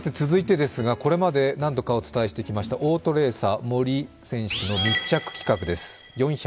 続いてですが、これまで何度かお伝えしてきました、オートレーサー・森選手の密着企画です。